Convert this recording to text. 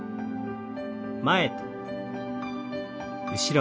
前と後ろに。